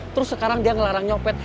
terus sekarang dia ngelarang nyopet